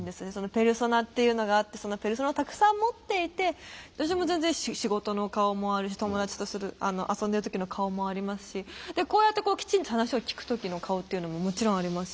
ペルソナっていうのがあってそのペルソナたくさん持っていて私も全然仕事の顔もあるし友達と遊んでる時の顔もありますしこうやってきちんと話を聞く時の顔というのももちろんありますし。